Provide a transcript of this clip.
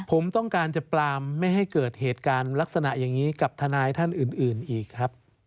ผมต้องการจะปลามไม่ให้เกิดเหตุการณ์ลักษณะอย่างนี้กับทนายท่านอื่นอีกครับ